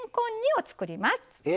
え？